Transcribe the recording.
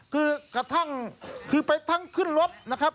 คือกระทั่งคือไปทั้งขึ้นรถนะครับ